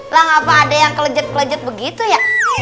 lah ngapa ada yang kelejet kelejet begitu ya